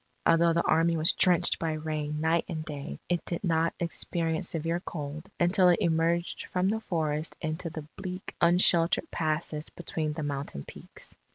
Although the Army was drenched by rain night and day, it did not experience severe cold until it emerged from the forests into the bleak unsheltered passes between the mountain peaks.